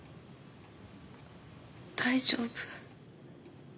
大丈夫。